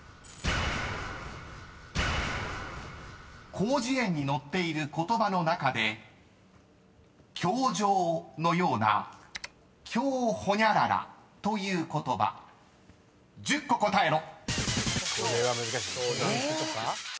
［広辞苑に載っている言葉の中で「教場」のような「教ホニャララ」という言葉１０個答えろ］